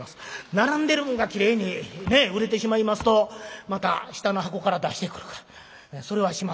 並んでるもんがきれいに売れてしまいますとまた下の箱から出してくるかそれはしません。